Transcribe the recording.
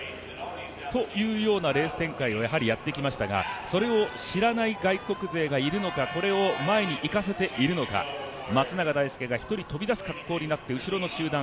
というようなレース展開をやはりやってきましたがそれを知らない外国勢がいるのかこれを前に行かせているのか松永大介が１人飛び出す格好になって、後ろの集団